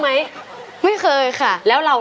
ขาหนูหนีบไว้